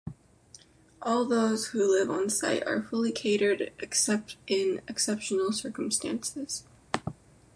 All those who live on site are fully catered, except in exceptional circumstances.